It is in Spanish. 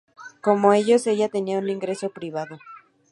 Como ellos, ella tenía un ingreso privado.